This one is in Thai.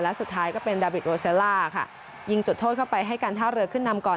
และสุดท้ายก็เป็นดาบิดโรเซล่าค่ะยิงจุดโทษเข้าไปให้การท่าเรือขึ้นนำก่อน